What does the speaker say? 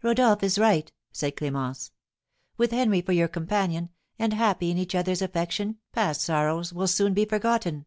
"Rodolph is right," said Clémence. "With Henry for your companion, and happy in each other's affection, past sorrows will soon be forgotten."